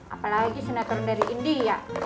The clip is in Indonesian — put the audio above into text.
apalagi sinetron dari india